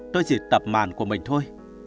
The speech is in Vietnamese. tôi chỉ tập màn của mình thôi